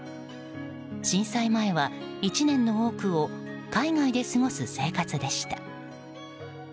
震災前は、１年の多くを海外で過ごす生活でした。